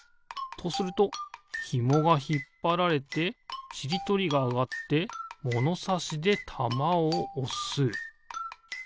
とするとひもがひっぱられてちりとりがあがってものさしでたまをおす。